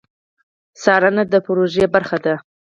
څارنه د پروژې برخه ده